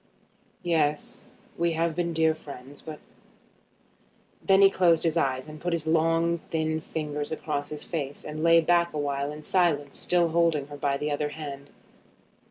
"Yes; we have been dear friends. But " Then he closed his eyes, and put his long thin fingers across his face, and lay back awhile in silence, still holding her by the other hand.